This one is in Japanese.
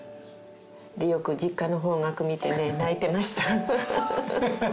よく実家の方角見てね泣いてました。